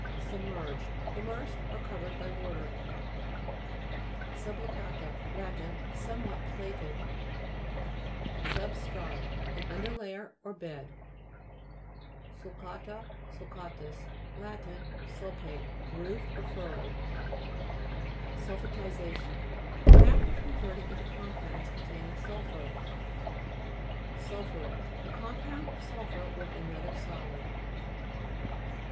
SUBMERGED Immersed or covered by water. SUBPLICA'TA Lat. Somewhat plait ed. SUBSIDENCE (p. 99). SUBSTRATUM An under layer or bed. SULCA'TA } Lat. Sulcate ; grooved SULCA'TUS 3 or furrowed. SULPHATISA'TION The act of con verting into compounds containing sulphur. SUL'PHURET A compound of sul phur with an other solid.